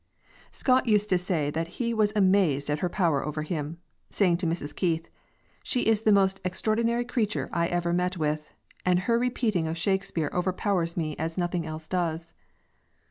Scott used to say that he was amazed at her power over him, saying to Mrs. Keith, "She's the most extraordinary creature I ever met with, and her repeating of Shakespeare overpowers me as nothing else does."